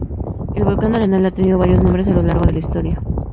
El volcán Arenal ha tenido varios nombres a lo largo de la historia.